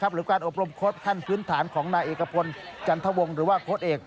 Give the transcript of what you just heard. หรือการอบรมโค้ดขั้นพื้นฐานของนายเอกพลจันทวงหรือว่าโค้ดเอก